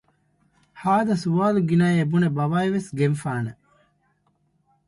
ހާދަ ސުވާލުގިނައޭ ބުނެ ބަވައިވެސް ގެންފާނެ